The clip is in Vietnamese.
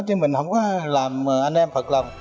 chứ mình không có làm anh em phật lòng